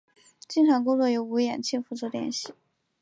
经常工作由吴衍庆负责联系。